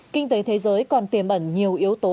kinh tế thế giới còn tiềm ẩn nhiều yếu tố